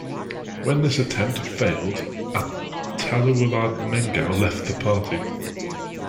When this attempt failed Ataullah Mengal left the party.